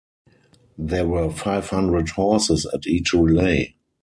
There were five hundred horses at each relay.